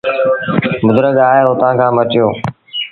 بزرگ آئي اُتآن کآݩ مٽيو۔